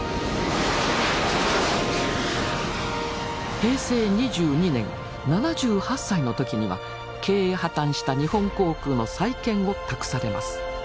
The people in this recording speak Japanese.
平成２２年７８歳の時には経営破綻した日本航空の再建を託されます。